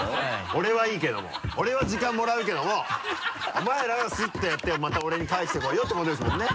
俺はいいけども俺は時間もらうけどもお前らはスッとやってまた俺に返して来いよってことですもんね？